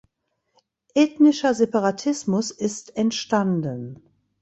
Ethnischer Separatismus ist entstanden.